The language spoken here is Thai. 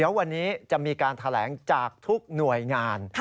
เดี๋ยววันนี้จะมีการแถลงจากทุกหน่วยงาน